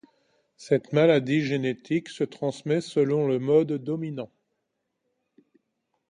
Cette maladie génétique se transmet selon le mode dominant.